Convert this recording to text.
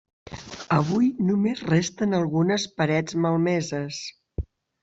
Avui només resten algunes parets malmeses.